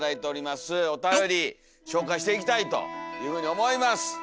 おたより紹介していきたいというふうに思います。